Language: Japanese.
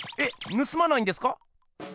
ぬすまないんですか？